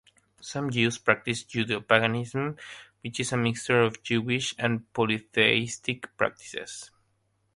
Some Jews practice Judeo-Paganism, which is a mixture of Jewish and polytheistic practices.